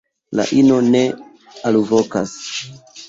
La ino ne alvokas.